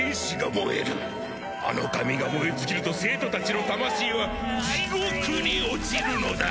あの紙が燃え尽きると生徒たちの魂は地獄に落ちるのだ！